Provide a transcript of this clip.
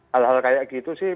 hal hal kayak gitu sih